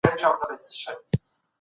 سوداګرو نوي تجهيزات له بهر څخه راوړي وو.